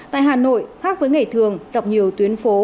tại hà nội khác với ngày thường dọc nhiều tuyến phố